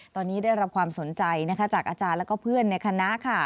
ตอนนี้ได้รับความสนใจนะคะจากอาจารย์แล้วก็เพื่อนในคณะค่ะ